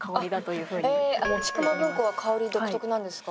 へえちくま文庫は香り独特なんですか？